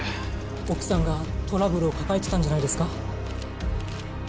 奥さんがトラブルを抱えてたんじゃないですか？